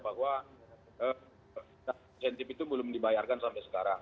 bahwa insentif itu belum dibayarkan sampai sekarang